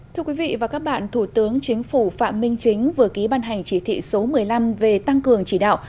thưa quý vị và các bạn thủ tướng chính phủ phạm minh chính vừa ký ban hành chỉ thị số một mươi năm về tăng cường chỉ đạo